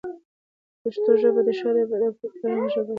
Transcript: پښتو ژبه د ښه ادب او فرهنګ ژبه ده.